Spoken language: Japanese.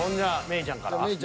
芽郁ちゃんから。